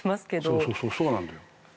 そうそうそうそうなんだよ。